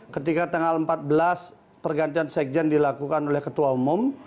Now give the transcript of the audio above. ketika tanggal empat belas pergantian sekjen dilakukan oleh ketua umum